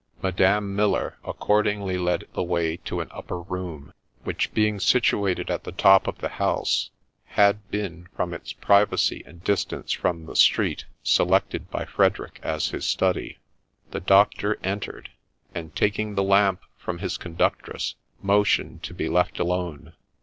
Madame Muller accordingly led the way to an upper room, which, being situated at the top of the house, had been, from its privacy and distance from the street, selected by Frederick as his study. The Doctor entered, and taking the lamp from his conductress motioned to be left alone.